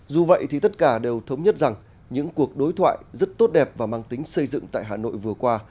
dù vậy thì tất cả đều thống nhất rằng những cuộc đối thoại rất tốt đẹp và mang tính xây dựng tại hà nội vừa qua